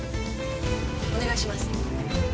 お願いします。